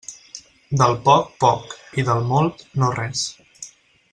Del poc, poc, i del molt, no res.